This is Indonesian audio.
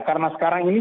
karena sekarang ini